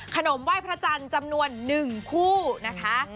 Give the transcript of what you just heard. ไหว้พระจันทร์จำนวน๑คู่นะคะ